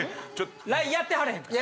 ・ＬＩＮＥやってはれへんから。